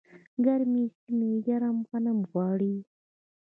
ګرمې سیمې ګرم غنم غواړي.